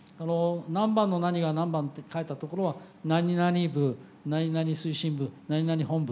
何番の何が何番って書いてあるところは何々部何々推進部何々本部